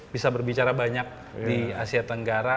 bisa berbicara banyak di asia tenggara